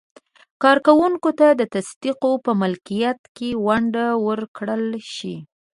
کارکوونکو ته د تصدیو په ملکیت کې ونډه ورکړل شي.